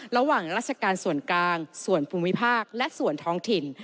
ระหว่างราชการส่วนกลางส่วนภูมิภาคและส่วนท้องถิ่น